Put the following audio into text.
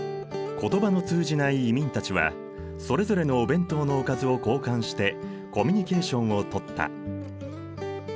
言葉の通じない移民たちはそれぞれのお弁当のおかずを交換してコミュニケーションを取った。